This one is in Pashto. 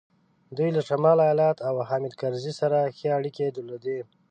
دوی له شمال ایتلاف او حامد کرزي سره ښې اړیکې درلودې.